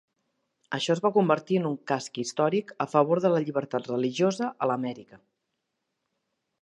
Això es va convertir en un cas històric a favor de la llibertat religiosa a l'Amèrica.